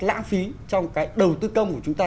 lãng phí trong cái đầu tư công của chúng ta